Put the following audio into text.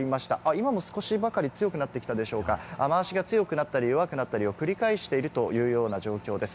今も少しばかり強くなってきたでしょうか、雨脚が強くなったり弱くなったりを繰り返しているというような状況です。